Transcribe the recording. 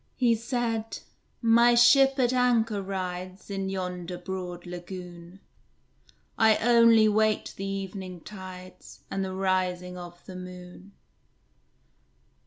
He said, "My ship at anchor rides In yonder broad lagoon; I only wait the evening tides, And the rising of the moon."